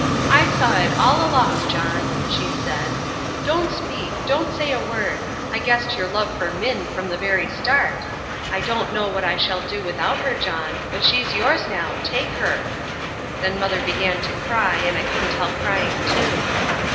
"I saw it all along, John," she said. "Don't speak. Don't say a word. I guessed your love for Minn from the very start. I don't know what I shall do without her, John, but she's yours now; take her." Then Mother began to cry and I couldn't help crying too.